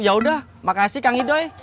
yaudah makasih kang hidoy